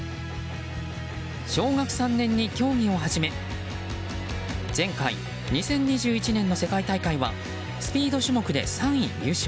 小学３年に競技を始め前回２０２１年の世界大会はスピード種目で３位入賞。